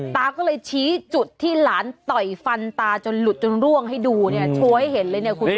ตาก็เลยชี้จุดที่หลานต่อยฟันตาจนหลุดจนร่วงให้ดูเนี่ยโชว์ให้เห็นเลยเนี่ยคุณ